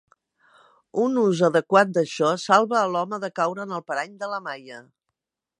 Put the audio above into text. Un ús adequat d'això salva a l'home de caure en el parany de la maia.